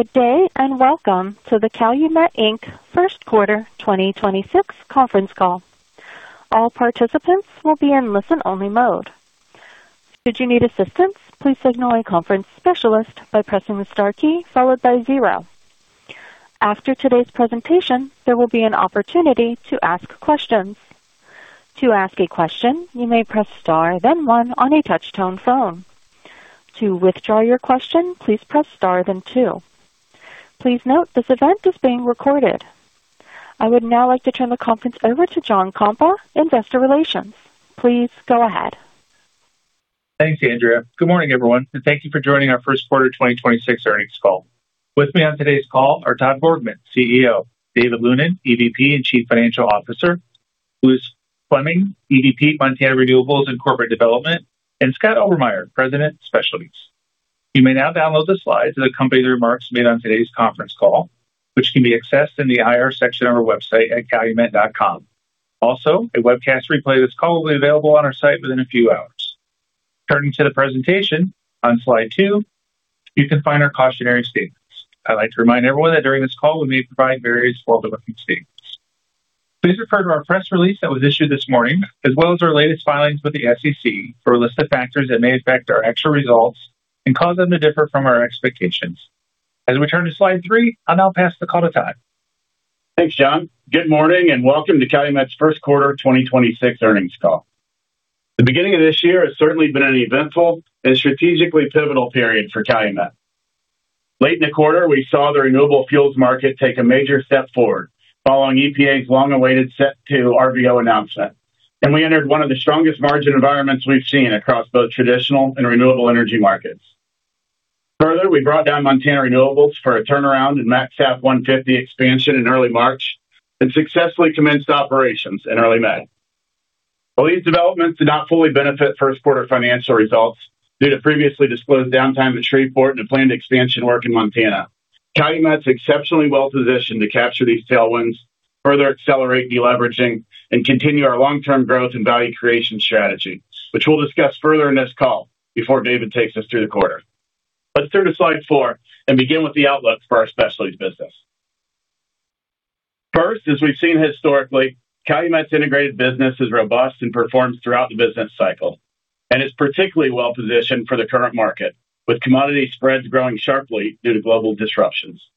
Good day, and welcome to the Calumet, Inc. first quarter 2026 conference call. All participants will be in listen-only mode. Should you need assistance, please signal a conference specialist by pressing the star key followed by zero. After today's presentation, there will be an opportunity to ask questions. To ask a question, you may press star then one on a touch-tone phone. To withdraw your question, please press star then two. Please note this event is being recorded. I would now like to turn the conference over to John Kompa, Investor Relations. Please go ahead. Thanks, Andrea. Good morning, everyone, and thank you for joining our first quarter 2026 earnings call. With me on today's call are Todd Borgmann, CEO; David Lunin, EVP and Chief Financial Officer; Bruce Fleming, EVP, Montana Renewables and Corporate Development; and Scott Obermeier, President, Specialties. You may now download the slides that accompany the remarks made on today's conference call, which can be accessed in the IR section of our website at calumet.com. Also, a webcast replay of this call will be available on our site within a few hours. Turning to the presentation, on slide two, you can find our cautionary statements. I'd like to remind everyone that during this call we may provide various forward-looking statements. Please refer to our press release that was issued this morning as well as our latest filings with the SEC for a list of factors that may affect our actual results and cause them to differ from our expectations. As we turn to slide three, I'll now pass the call to Todd. Thanks, John. Good morning and welcome to Calumet's first quarter 2026 earnings call. The beginning of this year has certainly been an eventful and strategically pivotal period for Calumet. Late in the quarter, we saw the renewable fuels market take a major step forward following EPA's long-awaited Set 2 RVO announcement, and we entered one of the strongest margin environments we've seen across both traditional and renewable energy markets. Further, we brought down Montana Renewables for a turnaround in MaxSAF 150 expansion in early March and successfully commenced operations in early May. While these developments did not fully benefit first quarter financial results due to previously disclosed downtime at Shreveport and planned expansion work in Montana, Calumet's exceptionally well-positioned to capture these tailwinds, further accelerate deleveraging, and continue our long-term growth and value creation strategy, which we'll discuss further in this call before David takes us through the quarter. Let's turn to slide four and begin with the outlook for our specialties business. First, as we've seen historically, Calumet's integrated business is robust and performs throughout the business cycle and is particularly well-positioned for the current market, with commodity spreads growing sharply due to global disruptions.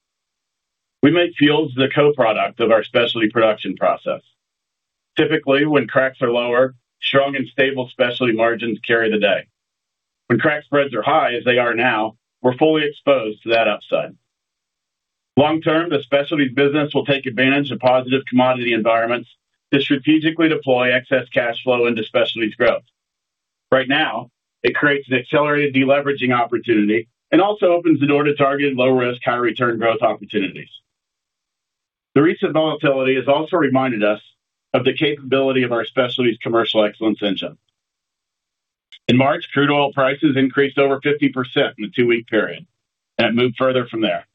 We make fuels the co-product of our specialty production process. Typically, when cracks are lower, strong and stable specialty margins carry the day. When crack spreads are high, as they are now, we're fully exposed to that upside. Long term, the Specialty business will take advantage of positive commodity environments to strategically deploy excess cash flow into Specialty's growth. Right now, it creates an accelerated deleveraging opportunity and also opens the door to targeted low-risk, high-return growth opportunities. The recent volatility has also reminded us of the capability of our Specialty's commercial excellence engine. In March, crude oil prices increased over 50% in a two-week period, and it moved further from there.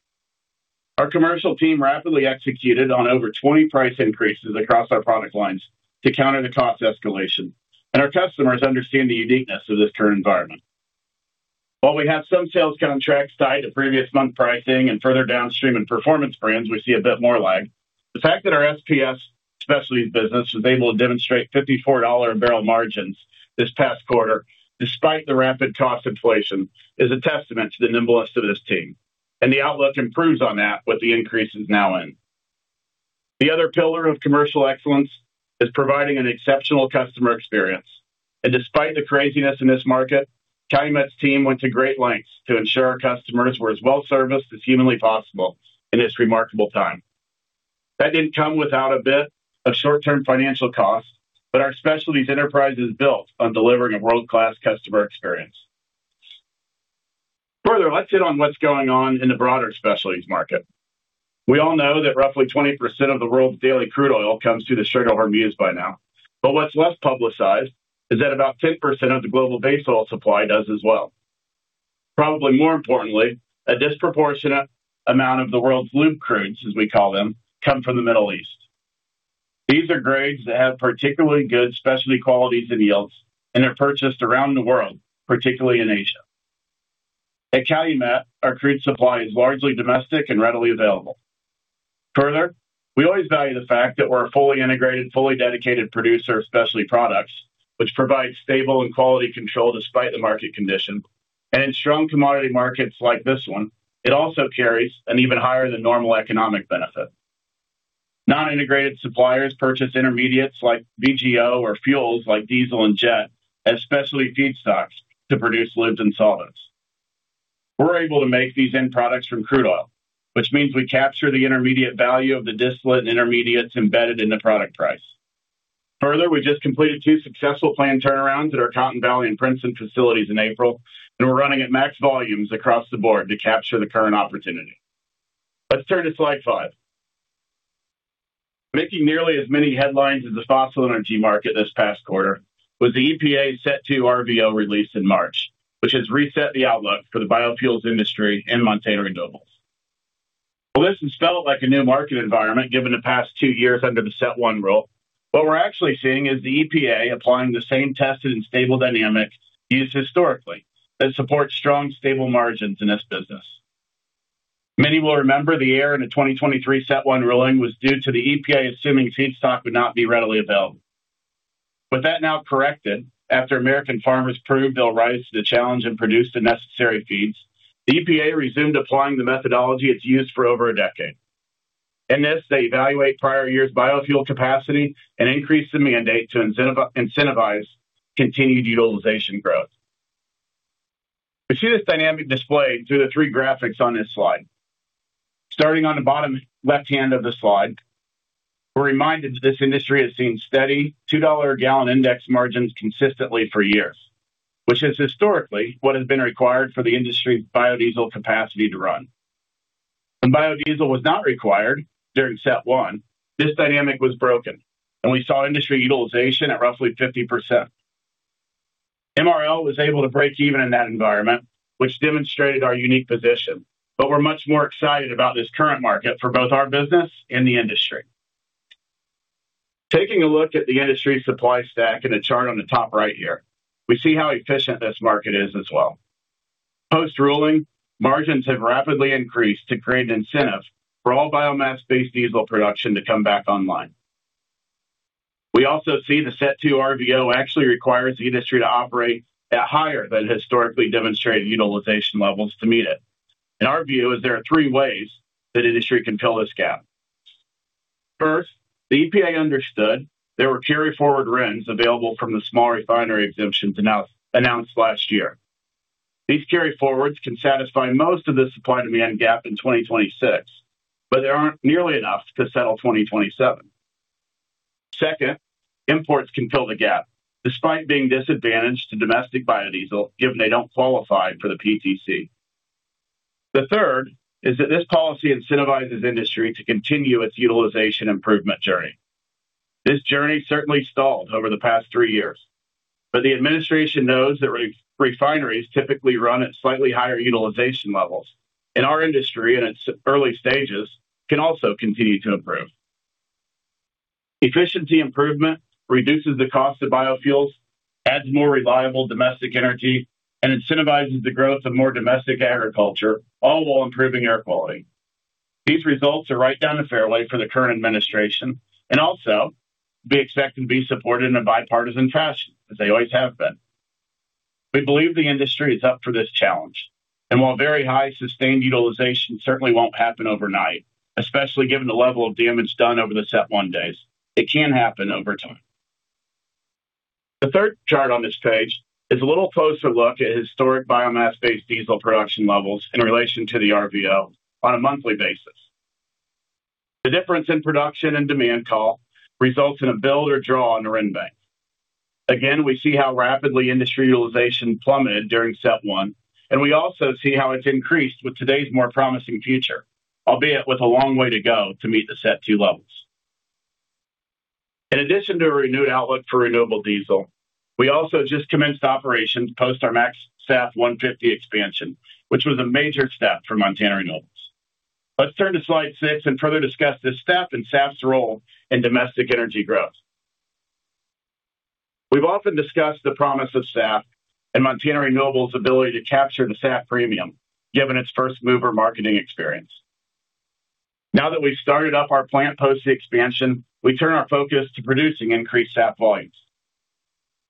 Our commercial team rapidly executed on over 20 price increases across our product lines to counter the cost escalation, and our customers understand the uniqueness of this current environment. While we have some sales contracts tied to previous month pricing and further downstream in Performance Brands, we see a bit more lag, the fact that our SPS Specialty's business was able to demonstrate $54 a barrel margins this past quarter despite the rapid cost inflation is a testament to the nimbleness of this team. The outlook improves on that with the increases now in. The other pillar of commercial excellence is providing an exceptional customer experience. Despite the craziness in this market, Calumet's team went to great lengths to ensure our customers were as well-serviced as humanly possible in this remarkable time. That didn't come without a bit of short-term financial cost, our Specialty's enterprise is built on delivering a world-class customer experience. Further, let's hit on what's going on in the broader Specialty's market. We all know that roughly 20% of the world's daily crude oil comes through the Strait of Hormuz by now. What's less publicized is that about 10% of the global base oil supply does as well. Probably more importantly, a disproportionate amount of the world's lube crudes, as we call them, come from the Middle East. These are grades that have particularly good specialty qualities and yields. They're purchased around the world, particularly in Asia. At Calumet, our crude supply is largely domestic and readily available. Further, we always value the fact that we're a fully integrated, fully dedicated producer of Specialty Products, which provides stable and quality control despite the market condition. In strong commodity markets like this one, it also carries an even higher than normal economic benefit. Non-integrated suppliers purchase intermediates like VGO or fuels like diesel and jet as specialty feedstocks to produce lubes and solvents. We're able to make these end products from crude oil, which means we capture the intermediate value of the distillate and intermediates embedded in the product price. We just completed two successful planned turnarounds at our Cotton Valley and Princeton facilities in April, and we're running at max volumes across the board to capture the current opportunity. Let's turn to slide five. Making nearly as many headlines as the fossil energy market this past quarter was the EPA's Set 2 RVO release in March, which has reset the outlook for the biofuels industry and Montana Renewables. Well, this is spelled like a new market environment given the past two years under the Set 1 Rule. What we're actually seeing is the EPA applying the same tested and stable dynamic used historically that supports strong, stable margins in this business. Many will remember the error in the 2023 Set 1 ruling was due to the EPA assuming feedstock would not be readily available. With that now corrected, after American farmers proved they'll rise to the challenge and produce the necessary feeds, the EPA resumed applying the methodology it's used for over a decade. In this, they evaluate prior year's biofuel capacity and increase the mandate to incentivize continued utilization growth. We see this dynamic displayed through the three graphics on this slide. Starting on the bottom left-hand of the slide, we're reminded that this industry has seen steady $2 a gallon index margins consistently for years, which is historically what has been required for the industry's biodiesel capacity to run. When biodiesel was not required during Set 1, this dynamic was broken, and we saw industry utilization at roughly 50%. MRL was able to break even in that environment, which demonstrated our unique position, but we're much more excited about this current market for both our business and the industry. Taking a look at the industry supply stack in a chart on the top right here, we see how efficient this market is as well. Post-ruling, margins have rapidly increased to create an incentive for all biomass-based diesel production to come back online. We also see the Set 2 RVO actually requires the industry to operate at higher than historically demonstrated utilization levels to meet it. Our view is there are three ways that industry can fill this gap. First, the EPA understood there were carry forward RINs available from the small refinery exemptions announced last year. These carry forwards can satisfy most of the supply and demand gap in 2026, but there aren't nearly enough to settle 2027. Second, imports can fill the gap despite being disadvantaged to domestic biodiesel, given they don't qualify for the PTC. The third is that this policy incentivizes industry to continue its utilization improvement journey. This journey certainly stalled over the past three years, but the administration knows that re-refineries typically run at slightly higher utilization levels, and our industry in its early stages can also continue to improve. Efficiency improvement reduces the cost of biofuels, adds more reliable domestic energy, and incentivizes the growth of more domestic agriculture, all while improving air quality. These results are right down the fairway for the current administration and also be expected to be supported in a bipartisan fashion, as they always have been. We believe the industry is up for this challenge, and while very high sustained utilization certainly won't happen overnight, especially given the level of damage done over the Set 1 days, it can happen over time. The third chart on this page is a little closer look at historic biomass-based diesel production levels in relation to the RVO on a monthly basis. The difference in production and demand call results in a build or draw on the RIN bank. Again, we see how rapidly industry utilization plummeted during Set 1, and we also see how it's increased with today's more promising future, albeit with a long way to go to meet the Set 2 levels. In addition to a renewed outlook for renewable diesel, we also just commenced operations post our MaxSAF 150 expansion, which was a major step for Montana Renewables. Let's turn to slide six and further discuss this step and SAF's role in domestic energy growth. We've often discussed the promise of SAF and Montana Renewables' ability to capture the SAF premium, given its first-mover marketing experience. Now that we've started up our plant post the expansion, we turn our focus to producing increased SAF volumes.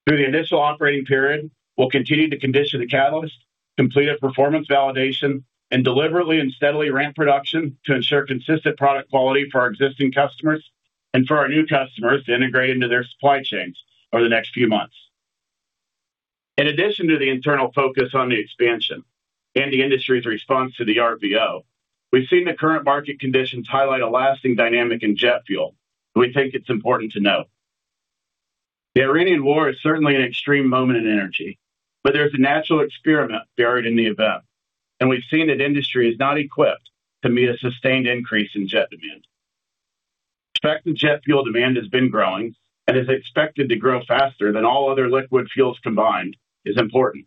Through the initial operating period, we'll continue to condition the catalyst, complete a performance validation, and deliberately and steadily ramp production to ensure consistent product quality for our existing customers and for our new customers to integrate into their supply chains over the next few months. In addition to the internal focus on the expansion and the industry's response to the RVO, we've seen the current market conditions highlight a lasting dynamic in jet fuel that we think it's important to note. The Iranian war is certainly an extreme moment in energy, but there's a natural experiment buried in the event, and we've seen that industry is not equipped to meet a sustained increase in jet demand. Expecting jet fuel demand has been growing and is expected to grow faster than all other liquid fuels combined is important.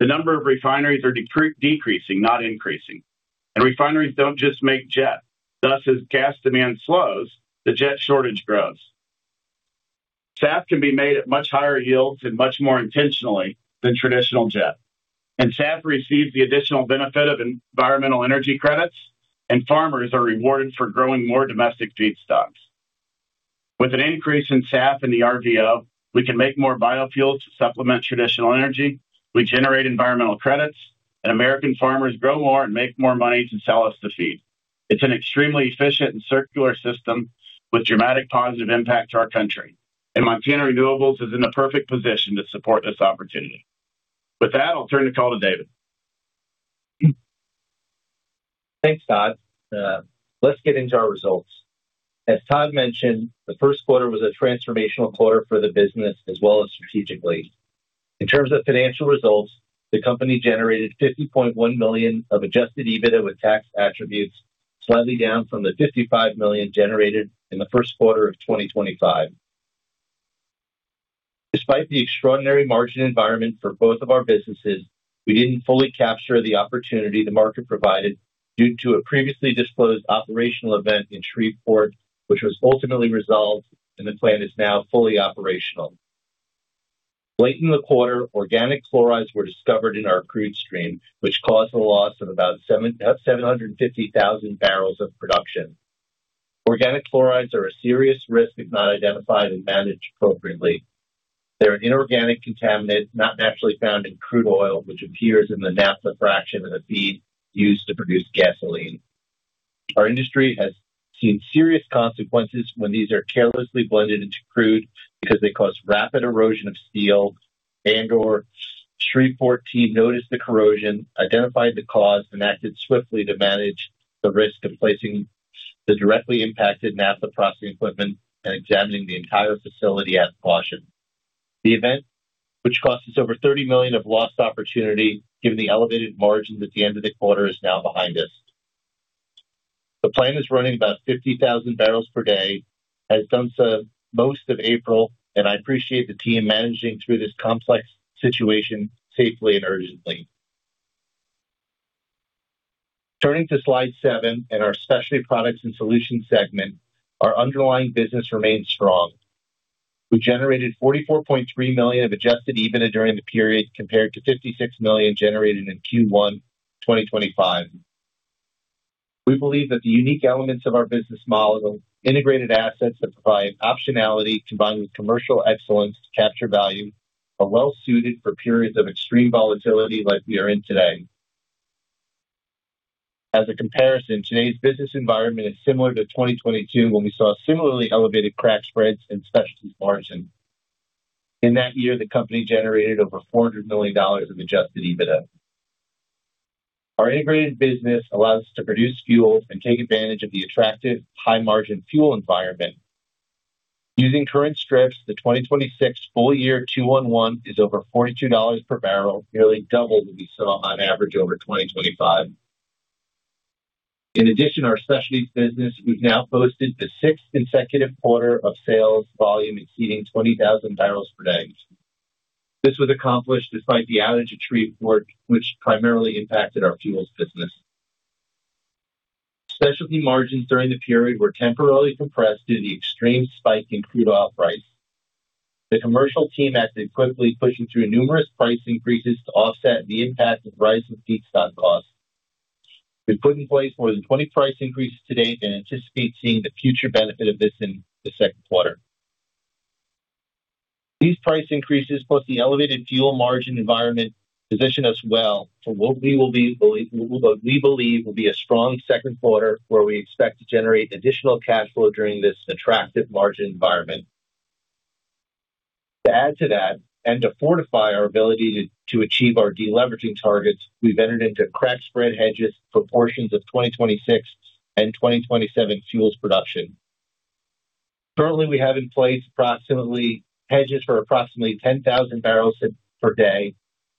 The number of refineries are decreasing, not increasing. Refineries don't just make jet. Thus, as gas demand slows, the jet shortage grows. SAF can be made at much higher yields and much more intentionally than traditional jet. SAF receives the additional benefit of environmental energy credits, and farmers are rewarded for growing more domestic feedstocks. With an increase in SAF in the RVO, we can make more biofuels to supplement traditional energy, we generate environmental credits, and American farmers grow more and make more money to sell us the feed. It's an extremely efficient and circular system with dramatic positive impact to our country. Montana Renewables is in the perfect position to support this opportunity. With that, I'll turn the call to David. Thanks, Todd. Let's get into our results. As Todd mentioned, the first quarter was a transformational quarter for the business as well as strategically. In terms of financial results, the company generated $50.1 million of adjusted EBITDA with tax attributes slightly down from the $55 million generated in the first quarter of 2025. Despite the extraordinary margin environment for both of our businesses, we didn't fully capture the opportunity the market provided due to a previously disclosed operational event in Shreveport, which was ultimately resolved, and the plant is now fully operational. Late in the quarter, organic chlorides were discovered in our crude stream, which caused a loss of about 750,000 barrels of production. Organic chlorides are a serious risk if not identified and managed appropriately. They're an inorganic contaminant not naturally found in crude oil, which appears in the naphtha fraction of the feed used to produce gasoline. Our industry has seen serious consequences when these are carelessly blended into crude because they cause rapid erosion of steel and/or Shreveport team noticed the corrosion, identified the cause, and acted swiftly to manage the risk of placing the directly impacted naphtha processing equipment and examining the entire facility as a caution. The event, which cost us over $30 million of lost opportunity given the elevated margins at the end of the quarter, is now behind us. The plant is running about 50,000 barrels per day, has done so most of April, and I appreciate the team managing through this complex situation safely and urgently. Turning to slide seven and our Specialty Products and Solutions segment, our underlying business remains strong. We generated $44.3 million of adjusted EBITDA during the period compared to $56 million generated in Q1 2025. We believe that the unique elements of our business model, integrated assets that provide optionality combined with commercial excellence to capture value, are well suited for periods of extreme volatility like we are in today. As a comparison, today's business environment is similar to 2022 when we saw similarly elevated crack spreads and specialty margins. In that year, the company generated over $400 million in adjusted EBITDA. Our integrated business allows us to produce fuel and take advantage of the attractive high-margin fuel environment. Using current strips, the 2026 full year two-one-one is over $42 per barrel, nearly double what we saw on average over 2025. Our specialties business, we've now posted the sixth consecutive quarter of sales volume exceeding 20,000 barrels per day. This was accomplished despite the outage at Shreveport, which primarily impacted our fuels business. Specialty margins during the period were temporarily compressed due to the extreme spike in crude oil price. The commercial team acted quickly, pushing through numerous price increases to offset the impact of rising feedstock costs. We've put in place more than $20 price increases to date and anticipate seeing the future benefit of this in the second quarter. These price increases, plus the elevated fuel margin environment, position us well for what we believe will be a strong second quarter where we expect to generate additional cash flow during this attractive margin environment. To add to that, and to fortify our ability to achieve our deleveraging targets, we've entered into crack spread hedges for portions of 2026 and 2027 fuels production. Currently, we have hedges for approximately 10,000 barrels per day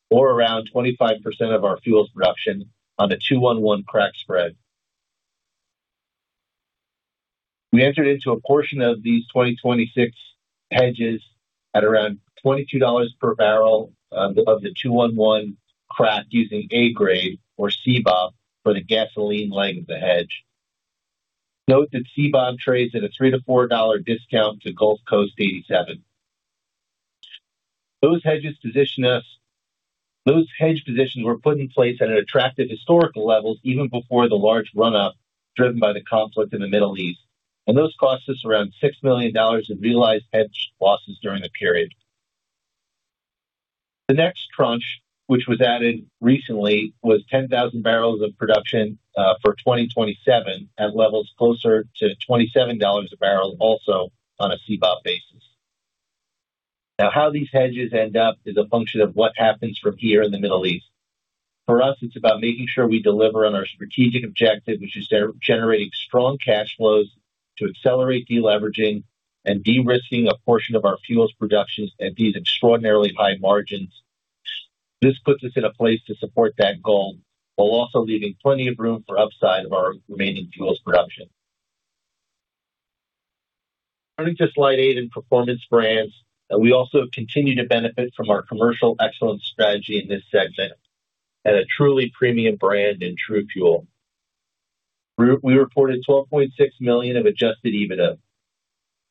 or around 25% of our fuels production on the 2-1-1 crack spread. We entered into a portion of these 2026 hedges at around $22 per barrel of the two-one-one crack using Argus or CBOT for the gasoline leg of the hedge. Note that CBOT trades at a $3-$4 discount to Gulf Coast 87. Those hedge positions were put in place at attractive historical levels even before the large run-up driven by the conflict in the Middle East, and those cost us around $6 million in realized hedge losses during the period. The next tranche, which was added recently, was 10,000 barrels of production for 2027 at levels closer to $27 a barrel, also on a CBOT basis. How these hedges end up is a function of what happens from here in the Middle East. For us, it's about making sure we deliver on our strategic objective, which is generating strong cash flows to accelerate deleveraging and de-risking a portion of our fuels productions at these extraordinarily high margins. This puts us in a place to support that goal while also leaving plenty of room for upside of our remaining fuels production. Turning to slide eight in Performance Brands, we also have continued to benefit from our commercial excellence strategy in this segment at a truly premium brand in TRUFUEL. We reported $12.6 million of adjusted EBITDA.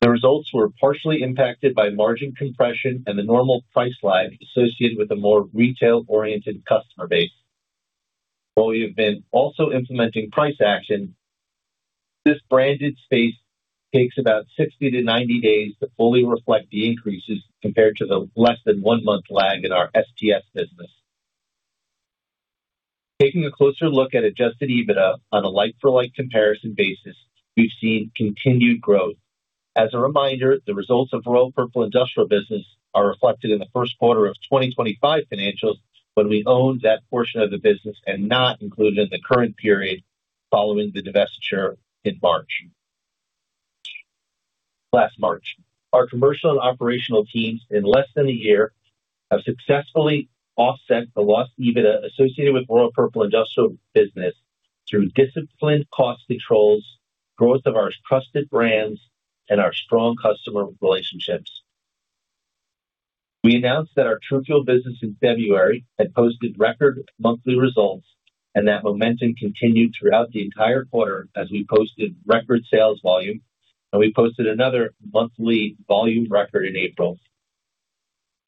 The results were partially impacted by margin compression and the normal price lag associated with a more retail-oriented customer base. While we have been also implementing price action, this branded space takes about 60-90 days to fully reflect the increases compared to the less than one-month lag in our SPS business. Taking a closer look at adjusted EBITDA on a like for like comparison basis, we've seen continued growth. As a reminder, the results of Royal Purple industrial business are reflected in the first quarter of 2025 financials when we owned that portion of the business and not included in the current period following the divestiture in March. Last March. Our commercial and operational teams in less than a year have successfully offset the loss EBITDA associated with Royal Purple industrial business through disciplined cost controls, growth of our trusted brands, and our strong customer relationships. We announced that our TRUFUEL business in February had posted record monthly results, that momentum continued throughout the entire quarter as we posted record sales volume, and we posted another monthly volume record in April.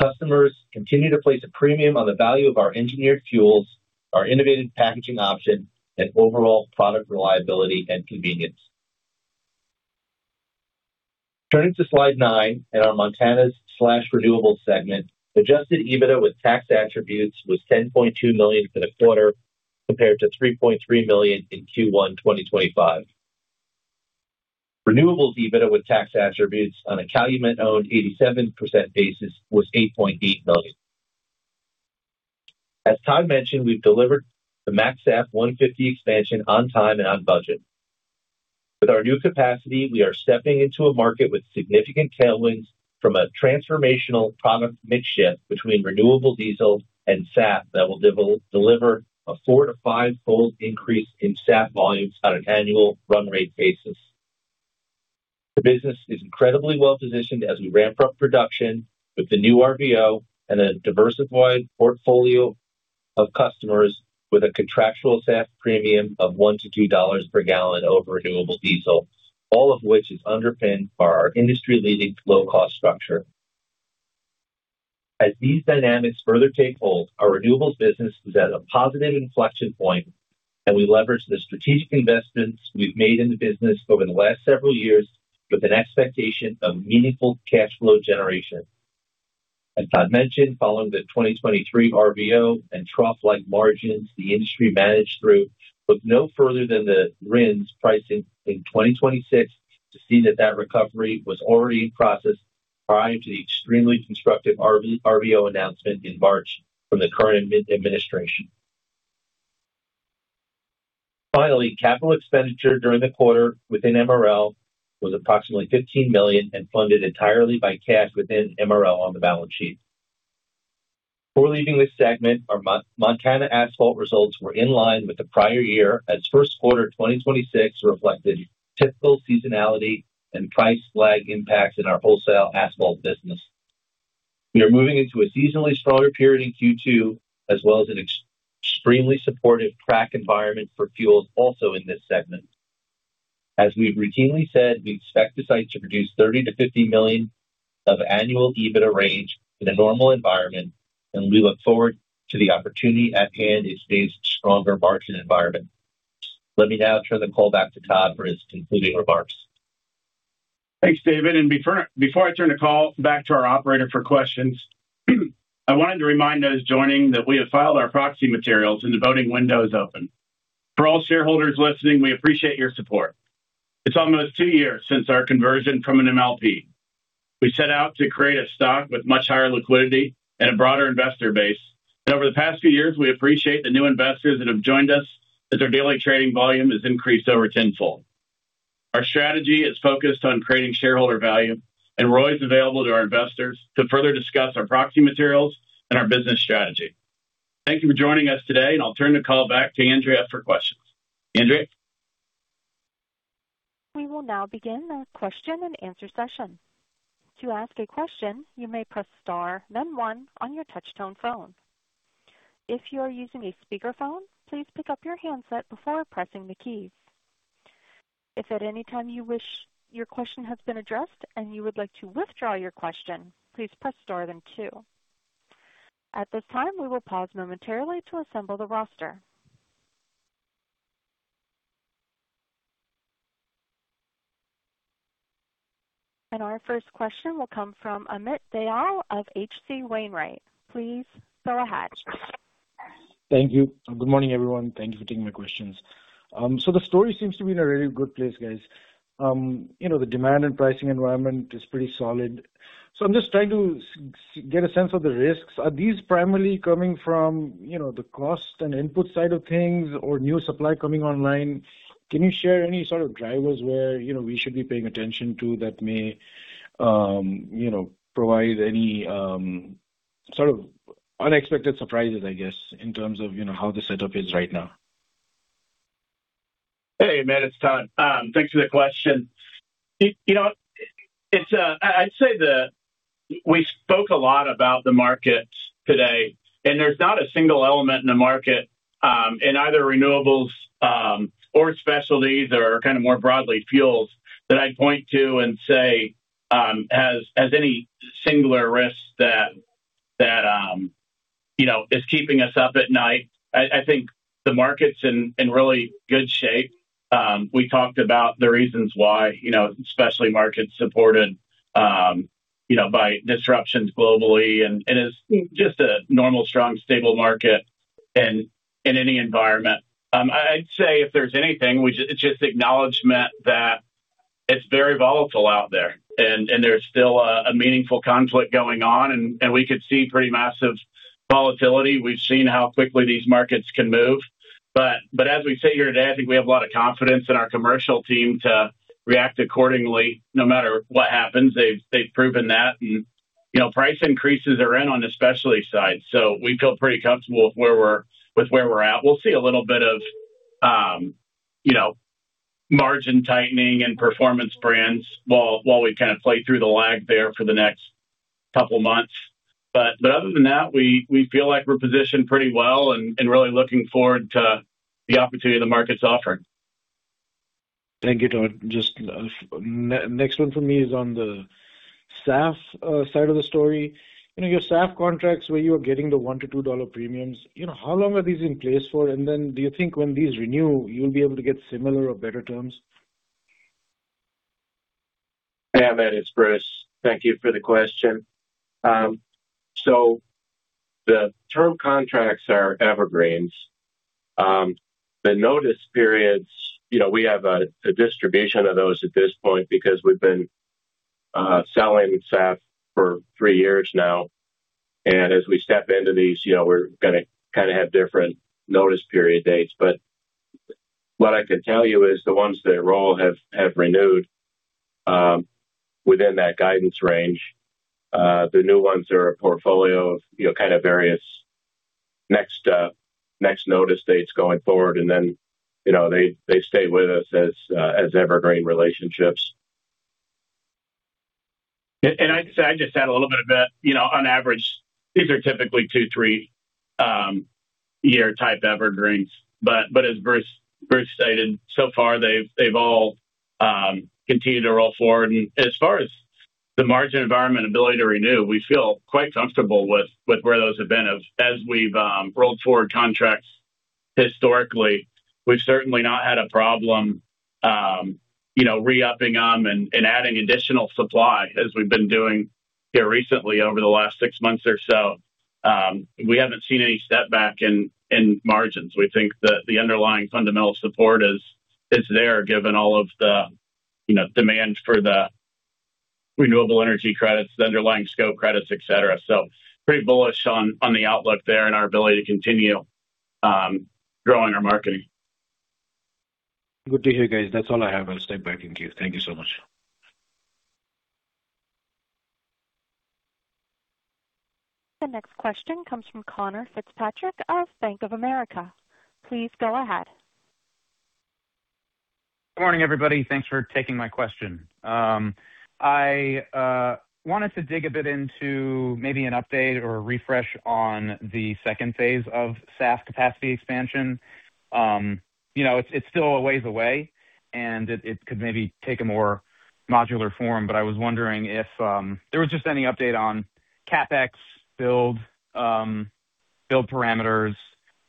Customers continue to place a premium on the value of our engineered fuels, our innovative packaging options, and overall product reliability and convenience. Turning to slide nine at our Montana Renewables segment. Adjusted EBITDA with tax attributes was $10.2 million for the quarter compared to $3.3 million in Q1 2025. Renewables EBITDA with tax attributes on a Calumet-owned 87% basis was $8.8 million. As Todd mentioned, we've delivered the MaxSAF 150 expansion on time and on budget. With our new capacity, we are stepping into a market with significant tailwinds from a transformational product mix shift between renewable diesel and SAF that will deliver a 4-5 fold increase in SAF volumes on an annual run rate basis. The business is incredibly well-positioned as we ramp up production with the new RVO and a diversified portfolio of customers with a contractual SAF premium of $1-$2 per gallon over renewable diesel, all of which is underpinned by our industry-leading low cost structure. As these dynamics further take hold, our renewables business is at a positive inflection point, and we leverage the strategic investments we've made in the business over the last several years with an expectation of meaningful cash flow generation. As Todd mentioned, following the 2023 RVO and trough-like margins the industry managed through, look no further than the RINs pricing in 2026 to see that that recovery was already in process prior to the extremely constructive RVO announcement in March from the current administration. Finally, capital expenditure during the quarter within MRL was approximately $15 million and funded entirely by cash within MRL on the balance sheet. Before leaving this segment, our Montana asphalt results were in line with the prior year as first quarter 2026 reflected typical seasonality and price lag impacts in our wholesale asphalt business. We are moving into a seasonally stronger period in Q2, as well as an extremely supportive crack environment for fuels also in this segment. As we've routinely said, we expect the site to produce $30 million-$50 million of annual EBITDA range in a normal environment, and we look forward to the opportunity at hand as these stronger margin environment. Let me now turn the call back to Todd for his concluding remarks. Thanks, David. Before I turn the call back to our operator for questions, I wanted to remind those joining that we have filed our proxy materials and the voting window is open. For all shareholders listening, we appreciate your support. It's almost two years since our conversion from an MLP. We set out to create a stock with much higher liquidity and a broader investor base. Over the past few years, we appreciate the new investors that have joined us as our daily trading volume has increased over tenfold. Our strategy is focused on creating shareholder value, and we're always available to our investors to further discuss our proxy materials and our business strategy. Thank you for joining us today, and I'll turn the call back to Andrea for questions. Andrea? Our first question will come from Amit Dayal of H.C. Wainwright. Please go ahead. Thank you. Good morning, everyone. Thank you for taking my questions. The story seems to be in a really good place, guys. You know, the demand and pricing environment is pretty solid. I'm just trying to get a sense of the risks. Are these primarily coming from, you know, the cost and input side of things or new supply coming online? Can you share any sort of drivers where, you know, we should be paying attention to that may, you know, provide any sort of unexpected surprises, I guess, in terms of, you know, how the setup is right now? Hey, Amit, it's Todd. Thanks for the question. You know, it's, I'd say we spoke a lot about the market today. There's not a single element in the market in either Renewables or Specialty or kind of more broadly fuels that I'd point to and say has any singular risk that, you know, is keeping us up at night. I think the market's in really good shape. We talked about the reasons why, you know, especially markets supported, you know, by disruptions globally and is just a normal, strong, stable market in any environment. I'd say if there's anything, we just acknowledgment that it's very volatile out there and there's still a meaningful conflict going on and we could see pretty massive volatility. We've seen how quickly these markets can move. As we sit here today, I think we have a lot of confidence in our commercial team to react accordingly no matter what happens. They've proven that. You know, price increases are in on the Specialty side, so we feel pretty comfortable with where we're at. We'll see a little bit of, you know, margin tightening in Performance Brands while we kind of play through the lag there for the next couple of months. Other than that, we feel like we're positioned pretty well and really looking forward to the opportunity the market's offering. Thank you, Todd. Just, next one for me is on the SAF side of the story. You know, your SAF contracts, where you are getting the $1-$2 premiums, you know, how long are these in place for? Do you think when these renew, you'll be able to get similar or better terms? Yeah, Amit, it's Bruce. Thank you for the question. The term contracts are evergreens. The notice periods, you know, we have a distribution of those at this point because we've been selling SAF for three years now. As we step into these, you know, we're gonna kind of have different notice period dates. What I could tell you is the ones that roll have renewed within that guidance range. The new ones are a portfolio of, you know, kind of various next notice dates going forward. You know, they stay with us as evergreen relationships. I'd just add a little bit of that. You know, on average, these are typically two, three year type evergreens. As Bruce stated, so far they've all continued to roll forward. As far as the margin environment ability to renew, we feel quite comfortable with where those have been. As we've rolled forward contracts historically, we've certainly not had a problem, you know, re-upping them and adding additional supply as we've been doing here recently over the last six months or so. We haven't seen any setback in margins. We think that the underlying fundamental support is there, given all of the, you know, demand for the renewable energy credits, the underlying Scope 3 credits, et cetera. Pretty bullish on the outlook there and our ability to continue growing our marketing. Good to hear, guys. That's all I have. I'll step back in queue. Thank you so much. The next question comes from Conor Fitzpatrick of Bank of America. Please go ahead. Good morning, everybody. Thanks for taking my question. I wanted to dig a bit into maybe an update or a refresh on the second phase of SAF capacity expansion. You know, it's still a ways away, and it could maybe take a more modular form, but I was wondering if there was just any update on CapEx build parameters,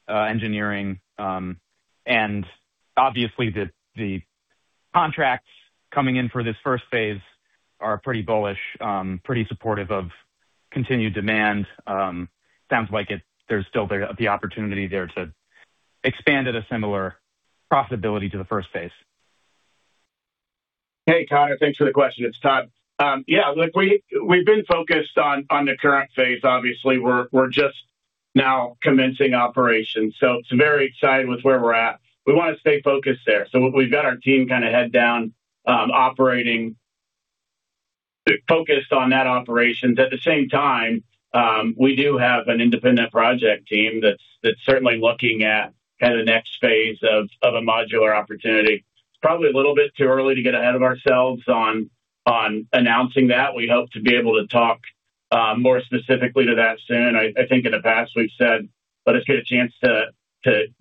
engineering, and obviously the contracts coming in for this first phase are pretty bullish, pretty supportive of continued demand. Sounds like there's still the opportunity there to expand at a similar profitability to the first phase. Hey, Conor, thanks for the question. It's Todd. Yeah, look, we've been focused on the current phase. Obviously, we're just now commencing operations. It's very exciting with where we're at. We wanna stay focused there. We've got our team kind of head down, operating, focused on that operations. At the same time, we do have an independent project team that's certainly looking at kind of the next phase of a modular opportunity. It's probably a little bit too early to get ahead of ourselves on announcing that. We hope to be able to talk more specifically to that soon. I think in the past we've said, "Let us get a chance to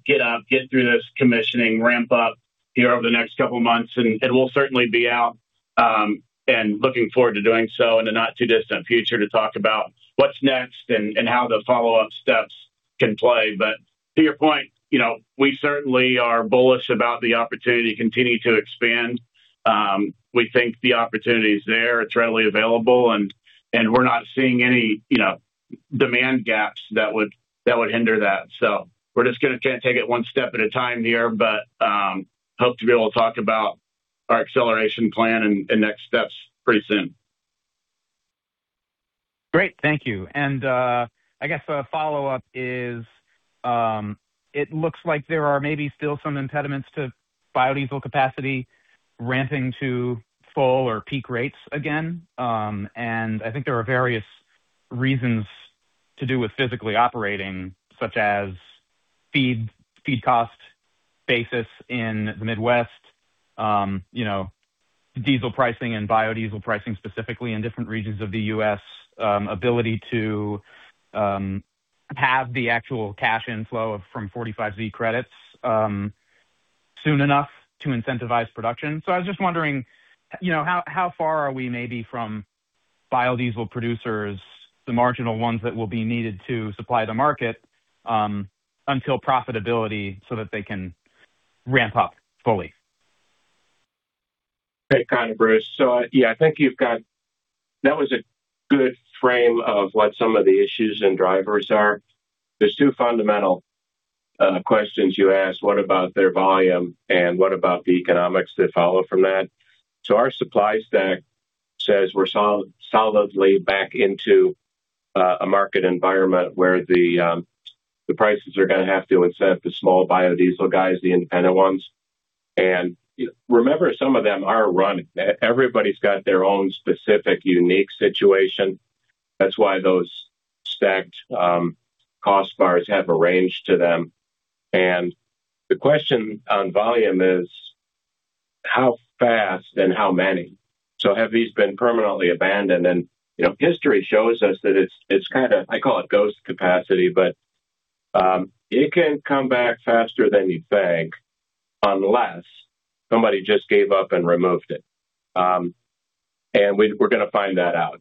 get up, get through this commissioning ramp up here over the next couple of months," and it will certainly be out, and looking forward to doing so in the not too distant future to talk about what's next and how the follow-up steps can play. To your point, you know, we certainly are bullish about the opportunity to continue to expand. We think the opportunity is there, it's readily available, and we're not seeing any, you know, demand gaps that would hinder that. We're just gonna try and take it one step at a time here, but hope to be able to talk about our acceleration plan and next steps pretty soon. Great. Thank you. I guess a follow-up is, it looks like there are maybe still some impediments to biodiesel capacity ramping to full or peak rates again. I think there are various reasons to do with physically operating, such as feed cost basis in the Midwest, you know, diesel pricing and biodiesel pricing specifically in different regions of the U.S., ability to have the actual cash inflow from 45Z credits soon enough to incentivize production. I was just wondering, you know, how far are we maybe from biodiesel producers, the marginal ones that will be needed to supply the market, until profitability so that they can ramp up fully? Hey, Conor. Bruce. Yeah, I think that was a good frame of what some of the issues and drivers are. There's two fundamental questions you asked, what about their volume and what about the economics that follow from that? Our supply stack. Says we're solidly back into a market environment where the prices are gonna have to incent the small biodiesel guys, the independent ones. Remember, some of them are running. Everybody's got their own specific, unique situation. That's why those stacked cost bars have a range to them. The question on volume is how fast and how many? Have these been permanently abandoned? You know, history shows us that it's kinda I call it ghost capacity, but it can come back faster than you think unless somebody just gave up and removed it. We're gonna find that out.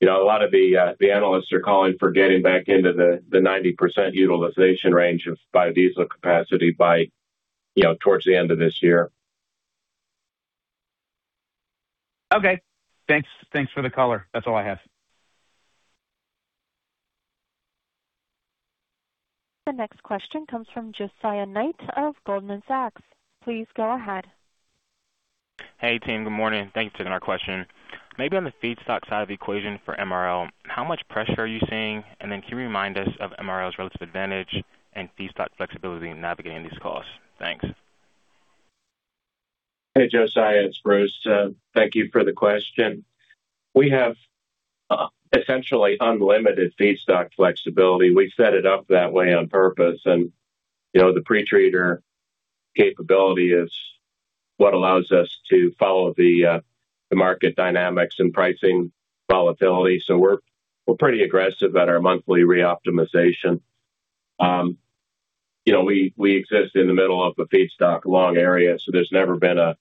You know, a lot of the analysts are calling for getting back into the 90% utilization range of biodiesel capacity by, you know, towards the end of this year. Okay. Thanks for the color. That's all I have. The next question comes from Josiah Knight of Goldman Sachs. Please go ahead. Hey, team. Good morning. Thanks for taking our question. Maybe on the feedstock side of the equation for MRL, how much pressure are you seeing? Can you remind us of MRL's relative advantage and feedstock flexibility in navigating these costs? Thanks. Hey, Josiah, it's Bruce. Thank you for the question. We have essentially unlimited feedstock flexibility. We set it up that way on purpose. You know, the pre-treater capability is what allows us to follow the market dynamics and pricing volatility. We're pretty aggressive at our monthly re-optimization. You know, we exist in the middle of the feedstock long area, so there's never been a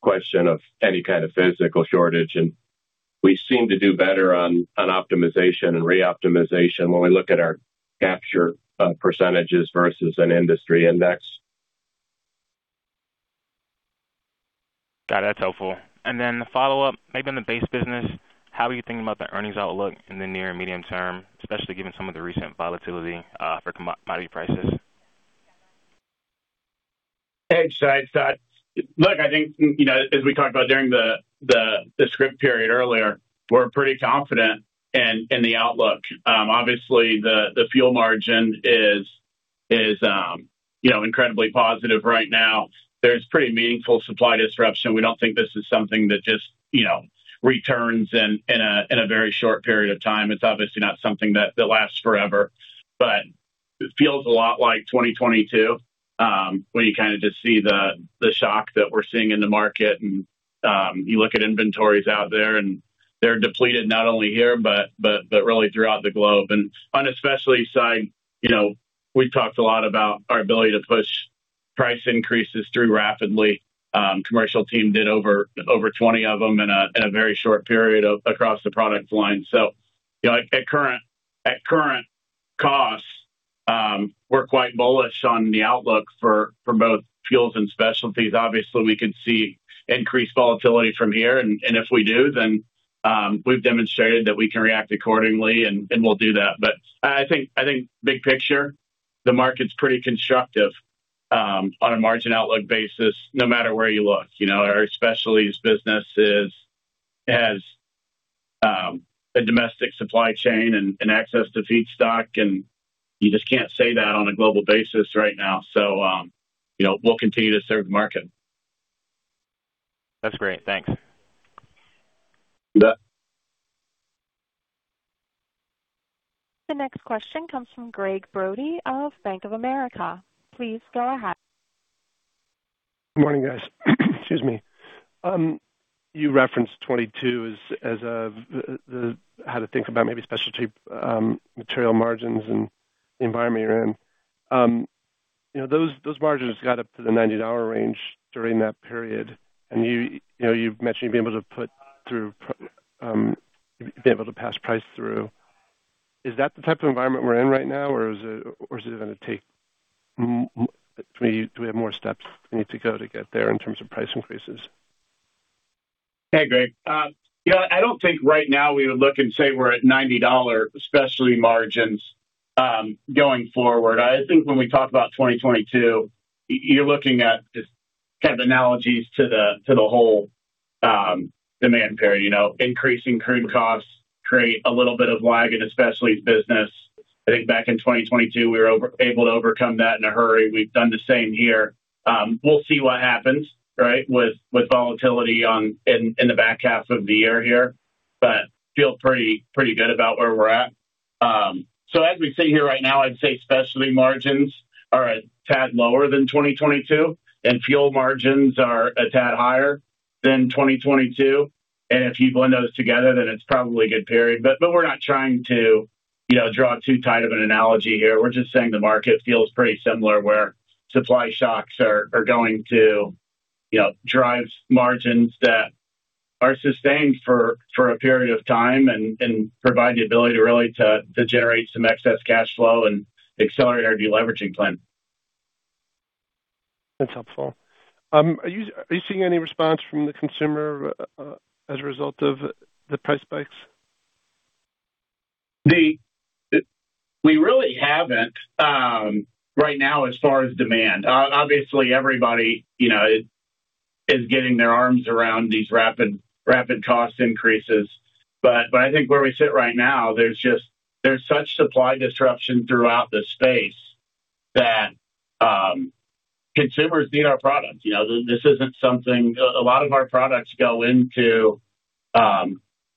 question of any kind of physical shortage, and we seem to do better on optimization and re-optimization when we look at our capture on percentages versus an industry index. Got it. That's helpful. The follow-up, maybe on the base business, how are you thinking about the earnings outlook in the near and medium term, especially given some of the recent volatility for commodity prices? Hey, Josiah, it's Todd. Look, I think, as we talked about during the script period earlier, we're pretty confident in the outlook. Obviously the fuel margin is incredibly positive right now. There's pretty meaningful supply disruption. We don't think this is something that just returns in a very short period of time. It's obviously not something that lasts forever, but it feels a lot like 2022, where you kind of just see the shock that we're seeing in the market and you look at inventories out there, and they're depleted not only here, but really throughout the globe. On Specialties side, we've talked a lot about our ability to push price increases through rapidly. Commercial team did over 20 of them in a very short period across the product line. You know, at current costs, we're quite bullish on the outlook for both fuels and specialties. Obviously, we could see increased volatility from here and if we do, then we've demonstrated that we can react accordingly and we'll do that. I think big picture, the market's pretty constructive on a margin outlook basis, no matter where you look. You know, our specialties business has a domestic supply chain and access to feedstock, and you just can't say that on a global basis right now. You know, we'll continue to serve the market. That's great. Thanks. Yeah. The next question comes from Gregg Brody of Bank of America. Please go ahead. Morning, guys. Excuse me. You referenced 2022 as how to think about maybe Specialty material margins and the environment you're in. You know, those margins got up to the $90 range during that period, and you know, you've mentioned you'd be able to put through, be able to pass price through. Is that the type of environment we're in right now, or is it gonna take more? Do we have more steps we need to go to get there in terms of price increases? Hey, Gregg. Yeah, I don't think right now we would look and say we're at $90 specialty margins going forward. I think when we talk about 2022, you're looking at just kind of analogies to the, to the whole demand period. You know, increasing crude costs create a little bit of lag in the specialties business. I think back in 2022, we were able to overcome that in a hurry. We've done the same here. We'll see what happens, right? With volatility in the back half of the year here, but feel pretty good about where we're at. As we sit here right now, I'd say Specialty margins are a tad lower than 2022, and fuel margins are a tad higher than 2022. If you blend those together, then it's probably a good period. We're not trying to, you know, draw too tight of an analogy here. We're just saying the market feels pretty similar, where supply shocks are going to, you know, drive margins that are sustained for a period of time and provide the ability really to generate some excess cash flow and accelerate our de-leveraging plan. That's helpful. Are you seeing any response from the consumer, as a result of the price spikes? We really haven't right now as far as demand. Obviously everybody, you know, is getting their arms around these rapid cost increases. I think where we sit right now, there's such supply disruption throughout the space that consumers need our products. You know, a lot of our products go into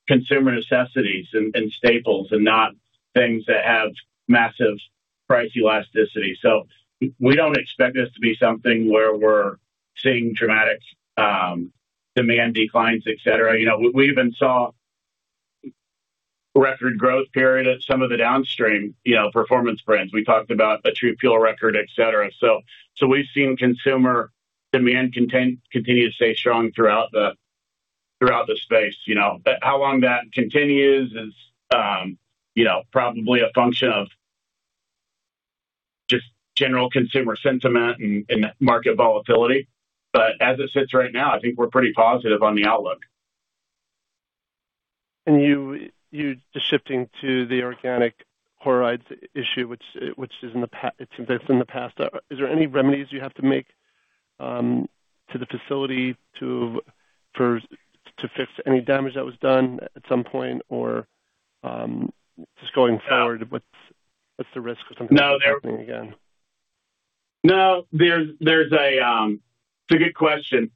consumer necessities and staples and not things that have massive price elasticity. We don't expect this to be something where we're seeing dramatic demand declines, et cetera. You know, we even saw record growth period at some of the downstream, you know, Performance Brands. We talked about a TRUFUEL record, et cetera. We've seen consumer demand continue to stay strong throughout the space. You know, how long that continues is, you know, probably a function of just general consumer sentiment and market volatility. As it sits right now, I think we're pretty positive on the outlook. You just shifting to the organic chlorides issue which is in the past. Is there any remedies you have to make to the facility to fix any damage that was done at some point or just going forward? No. What's the risk of something happening again? It's a good question.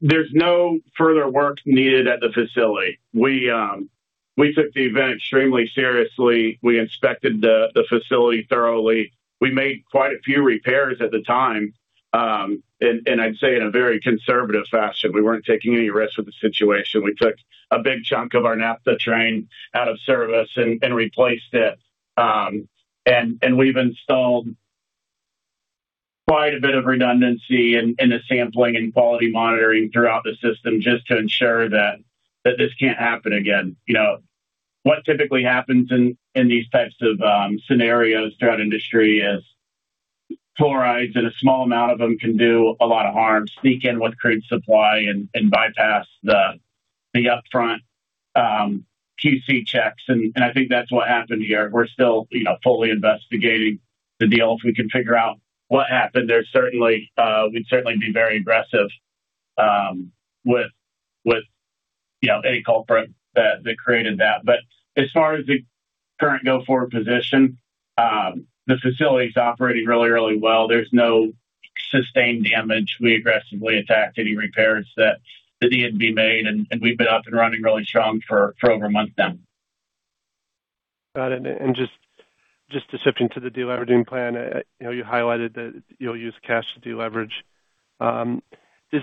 There's no further work needed at the facility. We took the event extremely seriously. We inspected the facility thoroughly. We made quite a few repairs at the time, and I'd say in a very conservative fashion. We weren't taking any risks with the situation. We took a big chunk of our naphtha train out of service and replaced it. We've installed quite a bit of redundancy in the sampling and quality monitoring throughout the system just to ensure that this can't happen again. You know, what typically happens in these types of scenarios throughout industry is chlorides, and a small amount of them can do a lot of harm, sneak in with crude supply and bypass the upfront QC checks. I think that's what happened here. We're still, you know, fully investigating the deal. If we can figure out what happened, we'd certainly be very aggressive, with, you know, any culprit that created that. As far as the current go-forward position, the facility's operating really well. There's no sustained damage. We aggressively attacked any repairs that needed to be made, and we've been up and running really strong for over a month now. Got it. Just to shift into the deleveraging plan, you know, you highlighted that you'll use cash to deleverage. You're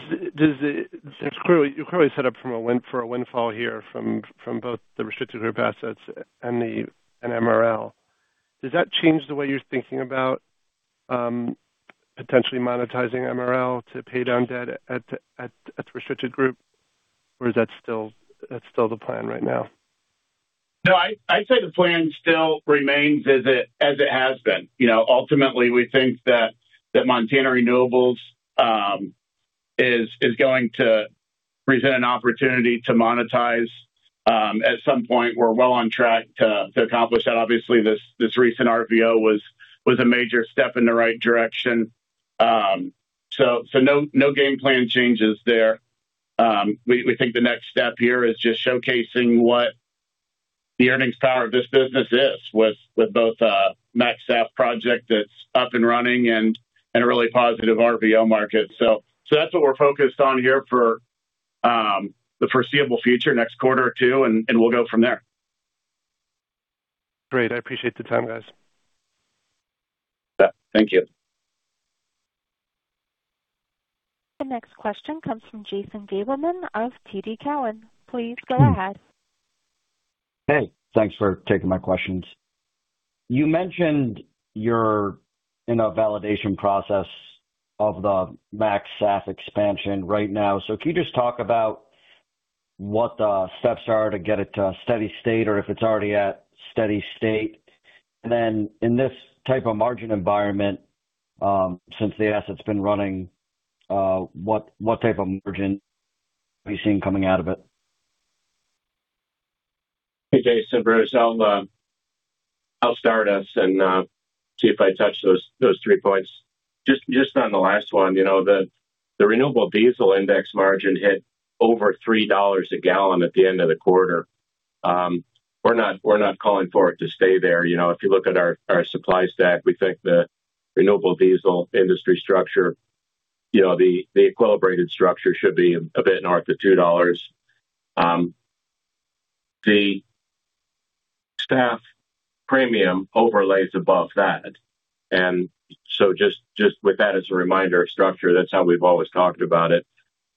clearly set up for a windfall here from both the restricted group assets and MRL. Does that change the way you're thinking about potentially monetizing MRL to pay down debt at restricted group? Or that's still the plan right now? No, I'd say the plan still remains as it has been. You know, ultimately, we think that Montana Renewables is going to present an opportunity to monetize at some point. We're well on track to accomplish that. Obviously, this recent RVO was a major step in the right direction. No game plan changes there. We think the next step here is just showcasing what the earnings power of this business is with both MaxSAF project that's up and running and in a really positive RVO market. That's what we're focused on here for the foreseeable future, next quarter or two, and we'll go from there. Great. I appreciate the time, guys. Yeah. Thank you. The next question comes from Jason Gabelman of TD Cowen. Please go ahead. Hey. Thanks for taking my questions. You mentioned you're in a validation process of the MaxSAF expansion right now. Can you just talk about what the steps are to get it to a steady state or if it's already at steady state? Then in this type of margin environment, since the asset's been running, what type of margin are you seeing coming out of it? Hey, Jason. Bruce, I'll start us and see if I touch those three points. Just on the last one, you know, the renewable diesel index margin hit over $3 a gallon at the end of the quarter. We're not calling for it to stay there. You know, if you look at our supply stack, we think the renewable diesel industry structure, you know, the equilibrated structure should be a bit north of $2. The SAF premium overlays above that. Just with that as a reminder of structure, that's how we've always talked about it.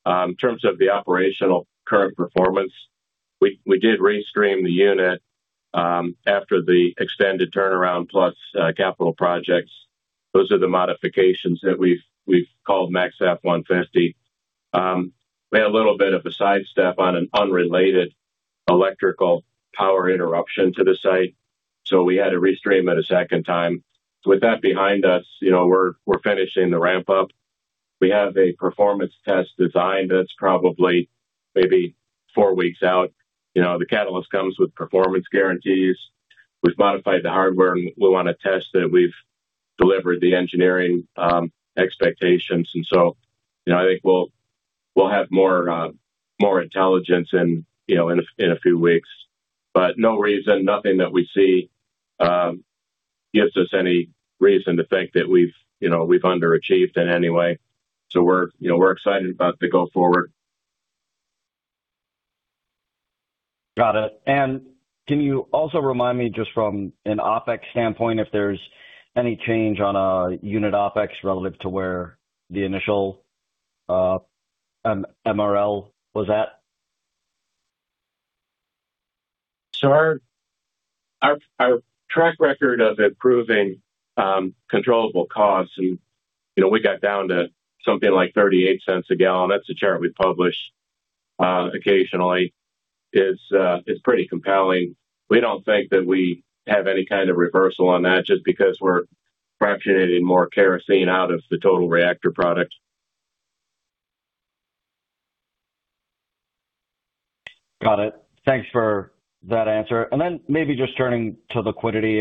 In terms of the operational current performance, we did restream the unit after the extended turnaround plus capital projects. Those are the modifications that we've called MaxSAF 150. We had a little bit of a sidestep on an unrelated electrical power interruption to the site, so we had to restream it a second time. With that behind us, you know, we're finishing the ramp up. We have a performance test design that's probably maybe four weeks out. You know, the catalyst comes with performance guarantees. We've modified the hardware, and we wanna test that we've delivered the engineering expectations. You know, I think we'll have more intelligence in, you know, in a few weeks. No reason, nothing that we see, gives us any reason to think that we've, you know, we've underachieved in any way. We're, you know, we're excited about the go forward. Got it. Can you also remind me just from an OpEx standpoint, if there's any change on unit OpEx relative to where the initial MRL was at? Our track record of improving controllable costs and, you know, we got down to something like $0.38 a gallon. That's a chart we publish occasionally. It's pretty compelling. We don't think that we have any kind of reversal on that just because we're fractionating more kerosene out of the total reactor product. Got it. Thanks for that answer. Then maybe just turning to liquidity.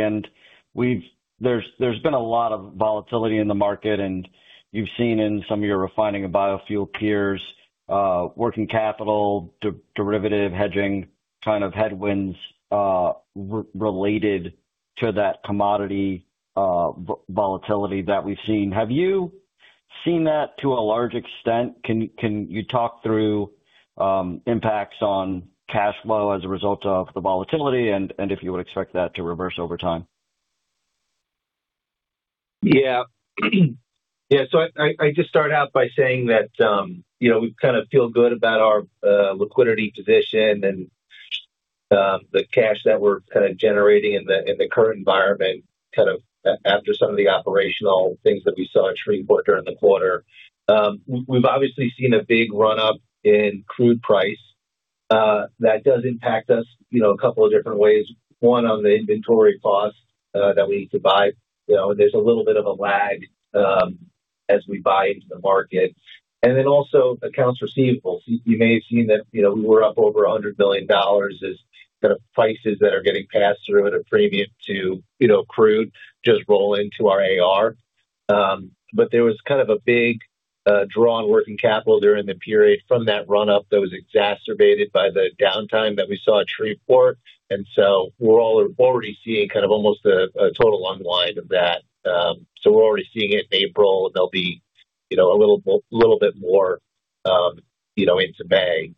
There's been a lot of volatility in the market, and you've seen in some of your refining and biofuel peers, working capital derivative hedging kind of headwinds related to that commodity volatility that we've seen. Have you seen that to a large extent? Can you talk through impacts on cash flow as a result of the volatility and if you would expect that to reverse over time? Yeah. Yeah. I just start out by saying that, you know, we kind of feel good about our liquidity position and the cash that we're kind of generating in the current environment, kind of after some of the operational things that we saw at Shreveport during the quarter. We've obviously seen a big run-up in crude price. That does impact us, you know, a couple of different ways. One, on the inventory cost that we need to buy. You know, there's a little bit of a lag as we buy into the market. Also accounts receivables. You may have seen that, you know, we were up over $100 billion as the prices that are getting passed through at a premium to, you know, crude just roll into our AR. There was kind of a big draw on working capital during the period from that run-up that was exacerbated by the downtime that we saw at Shreveport. We're already seeing kind of almost a total unwind of that. We're already seeing it in April. There'll be, you know, a little bit more, you know, into May.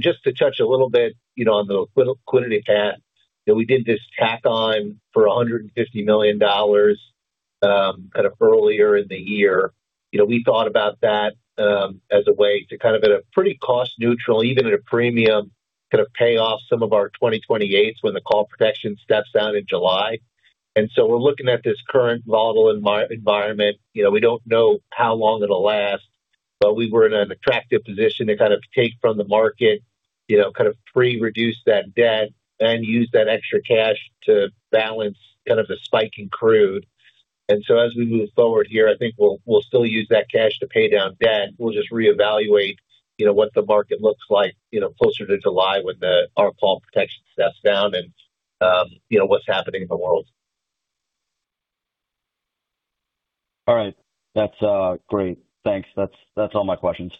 Just to touch a little bit, you know, on the liquidity hat, you know, we did this tack on for $150 million kind of earlier in the year. You know, we thought about that as a way to kind of at a pretty cost neutral, even at a premium, kind of pay off some of our 2028s when the call protection steps down in July. We're looking at this current volatile environment. You know, we don't know how long it'll last, but we were in an attractive position to kind of take from the market, you know, kind of pre-reduce that debt and use that extra cash to balance kind of the spike in crude. As we move forward here, I think we'll still use that cash to pay down debt. We'll just reevaluate, you know, what the market looks like, you know, closer to July when our call protection steps down and, you know, what's happening in the world. All right. That's great. Thanks. That's all my questions.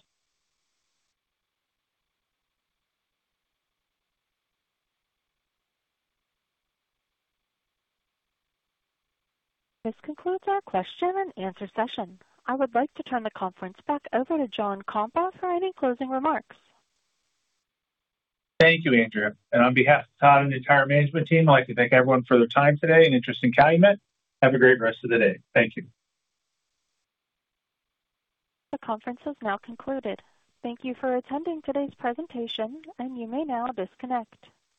This concludes our question-and-answer session. I would like to turn the conference back over to John Kompa for any closing remarks. Thank you, Andrea. On behalf of Todd and the entire management team, I'd like to thank everyone for their time today and interest in Calumet. Have a great rest of the day. Thank you. The conference has now concluded. Thank you for attending today's presentation, and you may now disconnect.